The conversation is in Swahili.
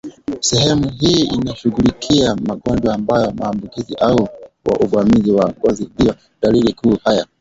Sehemu hii inashughulikia magonjwa ambayo maambukizi au uvamizi wa ngozi ndio dalili kuu Haya